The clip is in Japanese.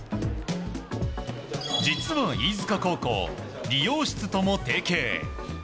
実は飯塚高校、理容室とも提携。